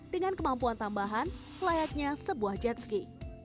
dengan kemampuan tambahan layaknya sebuah jet ski